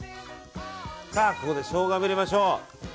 ここでショウガも入れましょう。